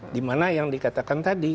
dimana yang dikatakan tadi